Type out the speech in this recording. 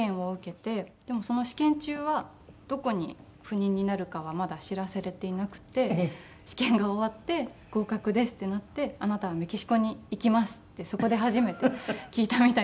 でもその試験中はどこに赴任になるかはまだ知らされていなくて試験が終わって「合格です」ってなって「あなたはメキシコに行きます」ってそこで初めて聞いたみたいで。